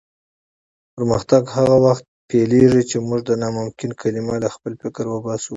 پرمختګ هغه وخت پیلېږي چې موږ د ناممکن کلمه له خپل فکره وباسو.